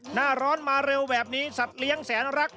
หน้าร้อนมาเร็วแบบนี้สัตว์เลี้ยงแสนรัก